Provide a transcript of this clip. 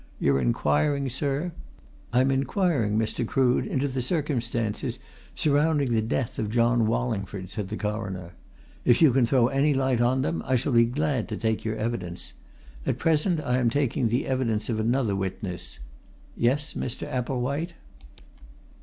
You're inquiring, sir " "I'm inquiring, Mr. Crood, into the circumstances surrounding the death of John Wallingford," said the Coroner. "If you can throw any light on them, I shall be glad to take your evidence. At present I am taking the evidence of another witness. Yes, Mr. Epplewhite?"